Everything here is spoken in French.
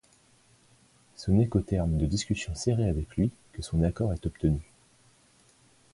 Ce n'est qu'au terme de discussions serrées avec lui que son accord est obtenu.